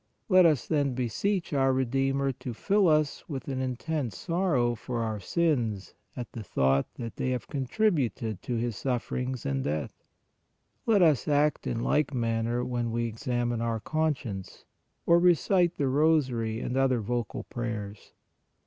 Let us then beseech our Redeemer to fill us with an intense sorrow for our sins at the thought that they have contributed to His sufferings and death. Let us act in like manner when we ex amine our conscience, or recite the rosary and other vocal prayers.